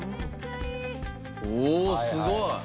おおすごい。